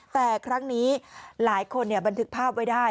แต่ครั้งนี้หลายคนบันทึกภาพไว้ได้